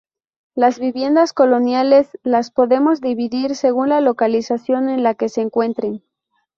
Las viviendas coloniales las podemos dividir según la localización en la que se encuentren.